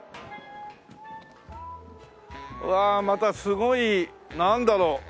うわあまたすごいなんだろう